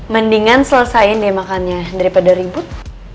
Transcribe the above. mendingan selesaiin deh makannya daripada ribut